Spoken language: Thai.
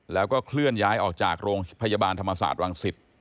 แล้วก็เคลื่อนย้ายออกจากโรงพยาบาลธรรมศาสตร์วังศิษย์